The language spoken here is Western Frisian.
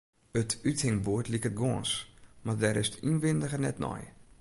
It úthingboerd liket gâns, mar dêr is 't ynwindige net nei.